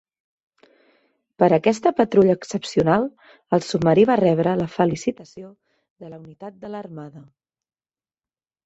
Per aquesta patrulla excepcional el submarí va rebre la Felicitació de la Unitat de l'Armada.